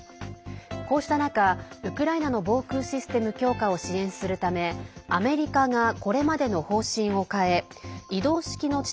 こうした中、ウクライナの防空システム強化を支援するためアメリカがこれまでの方針を変え移動式の地